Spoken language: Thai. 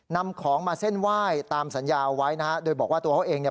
นำของมาเส้นไหว้ตามสัญญาเอาไว้นะฮะโดยบอกว่าตัวเขาเองเนี่ย